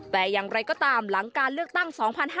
แต่อย่างไรก็ตามหลังการเลือกตั้ง๒๕๕๙